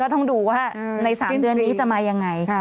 ต้องดูว่าใน๓เดือนนี้จะมายังไง